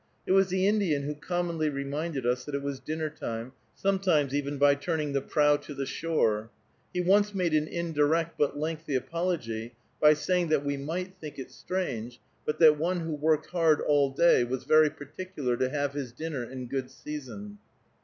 It was the Indian who commonly reminded us that it was dinner time, sometimes even by turning the prow to the shore. He once made an indirect, but lengthy apology, by saying that we might think it strange, but that one who worked hard all day was very particular to have his dinner in good season.